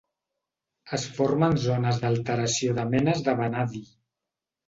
Es forma en zones d'alteració de menes de vanadi.